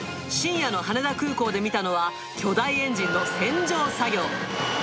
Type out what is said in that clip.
深夜の羽田空港で見たのは、巨大エンジンの洗浄作業。